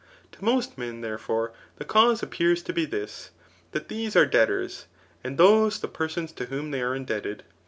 To most men, therefore, the cause appears to be this, that these are debtors, and those the persons to whom they are indebted.